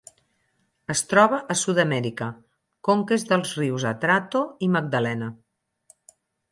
Es troba a Sud-amèrica: conques dels rius Atrato i Magdalena.